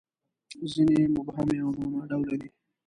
• ځینې یې مبهمې او معما ډوله دي.